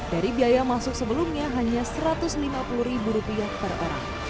dari biaya masuk sebelumnya hanya satu ratus lima puluh ribu rupiah per orang